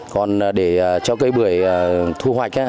còn để cho cây bưởi thu hoạch